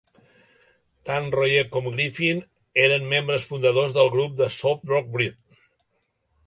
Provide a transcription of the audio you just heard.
Tant Royer com Griffin eren membres fundadors del grup de soft-rock Bread.